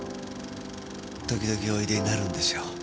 時々お出でになるんですよ。